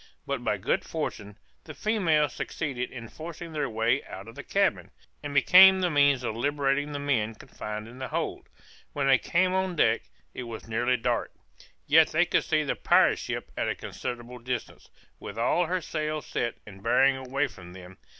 But by good fortune, the females succeeded in forcing their way out of the cabin, and became the means of liberating the men confined in the hold. When they came on deck, it was nearly dark, yet they could see the pirate ship at a considerable distance, with all her sails set and bearing away from them.